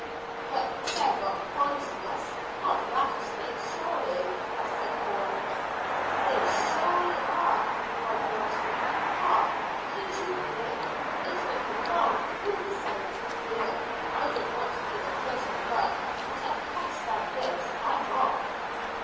"But they're not poisonous not rattlesnakes, surely?" said Bourne. "They surely are," cried Wilton. "Hark! Can't you hear? It's like a dull thrilling sound. Here, I don't want to be the first to run, but I can't stand this; I'm off."